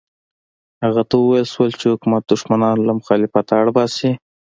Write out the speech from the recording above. هغه ته وویل شول چې حکومت دښمنان له مخالفته اړ باسي.